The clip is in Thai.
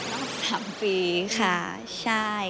รอบ๓ปีค่ะใช่